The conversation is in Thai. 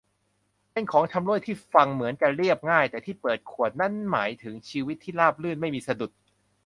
เป็นของชำร่วยที่ฟังเหมือนจะเรียบง่าย แต่ที่เปิดขวดนั้นหมายถึงชีวิตที่ราบรื่นไม่มีสะดุด